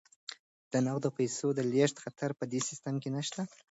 د نغدو پيسو د لیږد خطر په دې سیستم کې نشته.